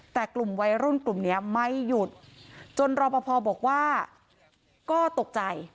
แต่กลุ่มวัยรุ่นกลุ่มนี้ไม่หยุดจนรอปภบอกว่าก็ตกใจ